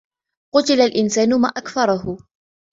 قُتِلَ الْإِنْسَانُ مَا أَكْفَرَهُ